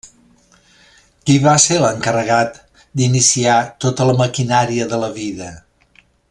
Qui va ser l'encarregat d'iniciar tota la maquinària de la vida?